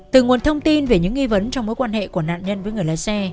từ nguồn thông tin về những nghi vấn trong mối quan hệ của nạn nhân với người lái xe